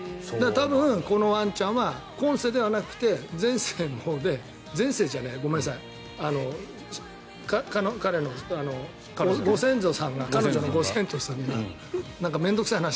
多分このワンちゃんは今世ではなくて前世のほうで前世じゃないな、ごめんなさい彼女のご先祖さんが。